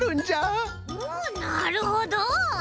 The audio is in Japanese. うんなるほど。